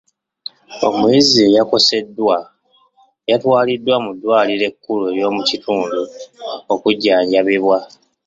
Omuyizi eyakoseddwa yatwalidwa mu ddwaliro ekkulu ery'omukitundu okujjanjabibwa.